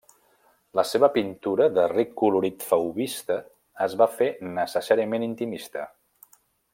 La seva pintura de ric colorit fauvista es va fer necessàriament intimista.